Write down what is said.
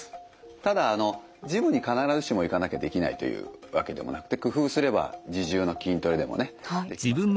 ただあのジムに必ずしも行かなきゃできないというわけでもなくて工夫すれば自重の筋トレでもねできますから。